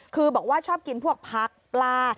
คือบอกว่าชอบกินพวกผักปลา